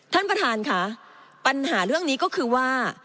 ท่านประธานค่ะปัญหาเรื่องนี้ก็คือว่า